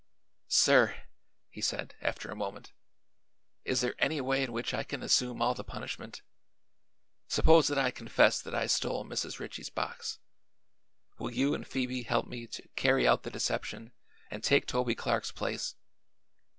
"Sir," he said after a moment, "is there any way in which I can assume all the punishment? Suppose that I confess that I stole Mrs. Ritchie's box; will you and Phoebe help me to carry out the deception and take Toby Clark's place?"